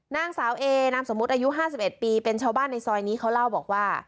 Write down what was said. นางสาวเอนามสมมุติอายุ๕๑ปีเป็นชาวบ้านในซอยนี้เขาเล่าบอกว่า